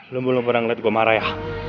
lo belum pernah liat gue marah ya